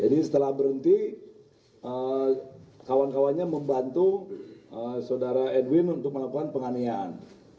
jadi setelah berhenti kawan kawannya membantu saudara edwin untuk melakukan penganian